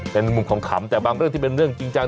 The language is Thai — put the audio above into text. เป็นมุมขำแต่บางเรื่องที่เป็นเรื่องจริงจัง